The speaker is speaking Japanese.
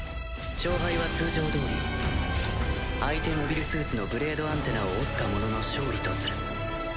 勝敗は通常どおり相手モビルスーツのブレードアンテナを折った者の勝利とする。